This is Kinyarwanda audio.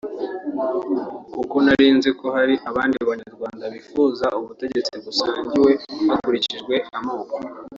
kuko nari nzi ko hari abandi banyarwanda bifuza ubutegetsi busangiwe hakurikijwe amoko